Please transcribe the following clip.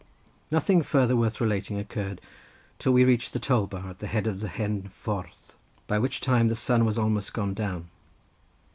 Nothing farther worth relating occurred till we reached the toll bar at the head of the hen ffordd, by which time the sun was almost gone down.